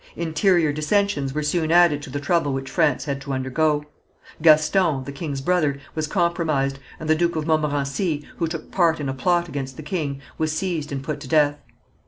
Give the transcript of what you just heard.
Interior dissensions were soon added to the trouble which France had to undergo. Gaston, the king's brother, was compromised, and the Duke of Montmorency, who took part in a plot against the king, was seized and put to death.